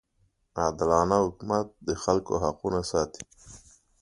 عادلانه حکومت د خلکو حقونه ساتي.